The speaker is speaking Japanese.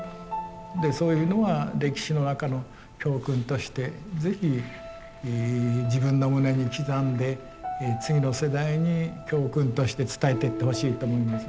でそういうのは歴史の中の教訓として是非自分の胸に刻んで次の世代に教訓として伝えていってほしいと思いますね。